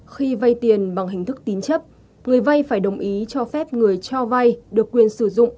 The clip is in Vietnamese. khi vay tiền bằng hình thức tín chấp người vay phải đồng ý cho phép người cho vay được quyền sử dụng